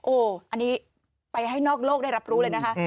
อันนี้ไปให้นอกโลกได้รับรู้เลยนะคะ